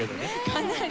かなり。